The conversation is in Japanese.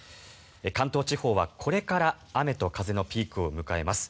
関東地方はこれから雨と風のピークを迎えます。